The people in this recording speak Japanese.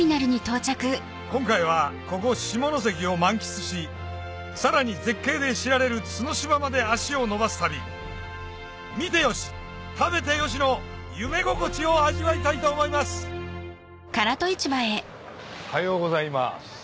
今回はここ下関を満喫しさらに絶景で知られる角島まで足を延ばす旅見てよし食べてよしの夢心地を味わいたいと思いますおはようございます。